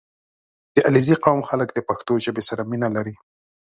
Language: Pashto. • د علیزي قوم خلک د پښتو ژبې سره مینه لري.